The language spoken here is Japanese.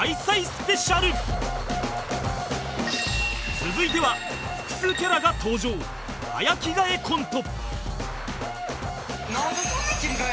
続いては複数キャラが登場早着替えコント